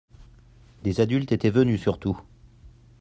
des adultes étaient venus surtout.